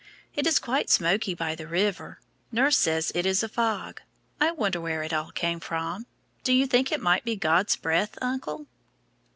It is quite smoky by the river; nurse says it is a fog. I wondered where it all came from. Do you think it might be God's breath, uncle?"